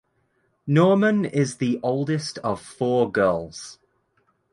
Norman is the oldest of four girls.